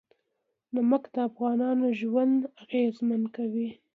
نمک د افغانانو ژوند اغېزمن کوي.